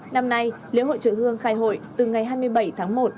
năm nay liễu hội chủ hương khai hội từ ngày hai mươi bảy tháng một